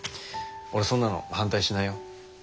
俺そんなの反対しないよ。